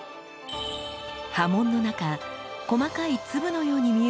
刃文の中細かい粒のように見えるのが沸出来。